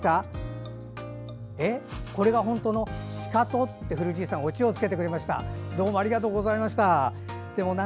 これが本当のシカト？とふるじいさんオチをつけてくれました。